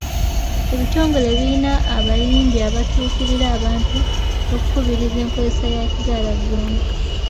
Ebitongole birina abayambi abatuukirira abantu okukubiriza enkozesa ya kizaalaggumba.